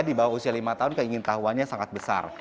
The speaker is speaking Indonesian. di bawah usia lima tahun keingintahuannya sangat besar